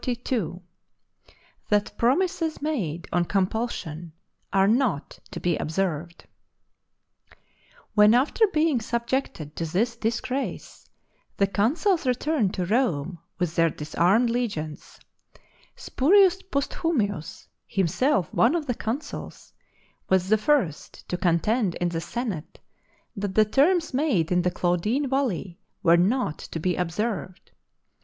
—That Promises made on Compulsion are not to be observed. When, after being subjected to this disgrace, the consuls returned to Rome with their disarmed legions, Spurius Posthumius, himself one of the consuls, was the first to contend in the senate that the terms made in the Caudine Valley were not to be observed.